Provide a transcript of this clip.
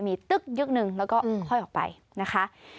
มีตึ๊กยึกหนึ่งแล้วก็ค่อยออกไปนะคะ